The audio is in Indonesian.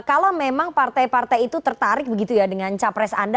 kalau memang partai partai itu tertarik begitu ya dengan capres anda